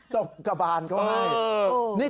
ตกกระบานก็ให้